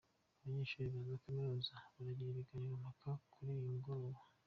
Abanyeshuri ba zakaminuza baragira ikiganiro mpaka kuri uyu mugoroba